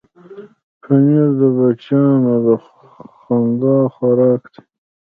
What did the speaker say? پنېر د بچیانو د خندا خوراک دی.